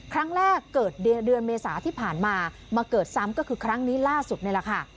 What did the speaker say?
ครั้งแรกเกิดเดือนเมษาที่ผ่านมามาเกิดซ้ำก็คือครั้งนี้ล่าสุดนี่แหละค่ะ